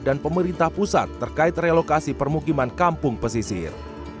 dan pemerintah pusat terkait relokasi permukiman kampung pesisir